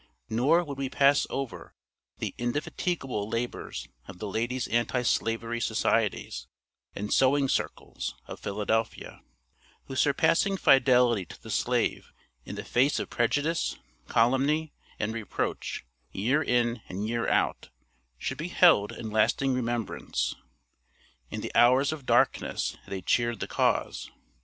Nor would we pass over the indefatigable labors of the Ladies' Anti slavery Societies and Sewing Circles of Philadelphia, whose surpassing fidelity to the slave in the face of prejudice, calumny and reproach, year in and year out, should be held in lasting remembrance. In the hours of darkness they cheered the cause.